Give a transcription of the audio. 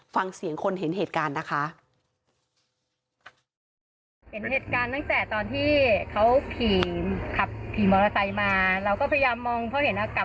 ฟังเสียงคนเห็นเหตุการณ์นะคะ